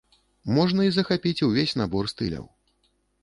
Можна і захапіць увесь набор стыляў.